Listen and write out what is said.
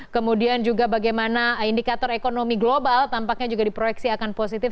kemudian juga bagaimana indikator ekonomi global tampaknya juga diproyeksi akan positif